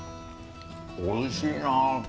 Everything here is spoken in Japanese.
おいしいなあ。